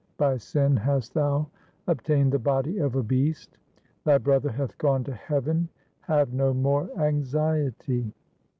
By sin hast thou obtained the body of a beast. Thy brother hath gone to heaven, have no more anxiety.'